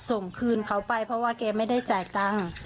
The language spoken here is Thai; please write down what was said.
ส่งคืนเขาไปเพราะว่าแกไม่ได้จ่ายตังค์